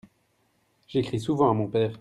J'écris souvent à mon père.